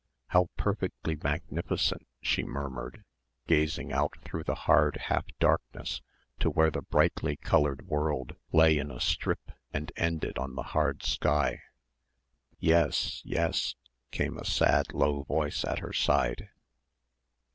"How perfectly magnificent," she murmured, gazing out through the hard half darkness to where the brightly coloured world lay in a strip and ended on the hard sky. "Yes ... yes," came a sad low voice at her side.